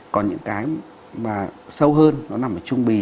còn những cái mà sâu hơn nó nằm ở trung bì